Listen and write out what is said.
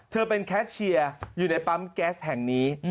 เธอเป็นแคชเชียร์อยู่ในปั๊มแก๊สแห่งนี้